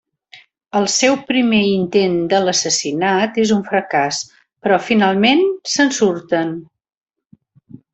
El seu primer intent de l'assassinat és un fracàs, però finalment se'n surten.